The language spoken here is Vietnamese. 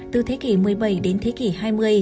từ thế kỷ một mươi bảy đến thế kỷ hai mươi